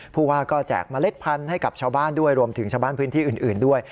ผู้ว่าก็แจกเมล็ดพันธุ์ให้กับชาวบ้านด้วยรวมถึงชาวบ้านพื้นที่อื่นด้วย